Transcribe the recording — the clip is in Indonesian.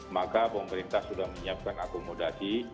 maka pemerintah sudah menyiapkan akomodasi